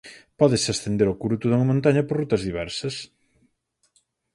Pódese ascender ao curuto dunha montaña por rotas diversas.